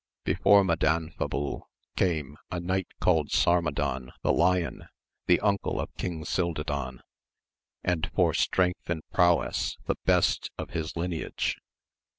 Before Madanfabul came a knight called Sarmadan the Lion, the uncle of King Cildadan, and for strength and prowess the best of his lineage.